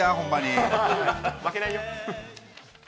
負けないよ。